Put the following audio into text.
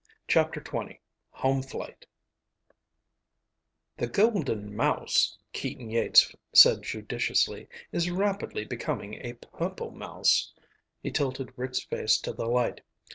CHAPTER XX Home Flight "The Golden Mouse," Keaton Yeats said judiciously, "is rapidly becoming a purple mouse." He tilted Rick's face to the light.